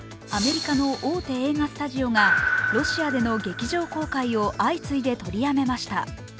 アメリカの大手映画スタジオがロシアでの劇場公開を相次いで取りやめました。